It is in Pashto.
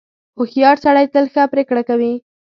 • هوښیار سړی تل ښه پرېکړه کوي.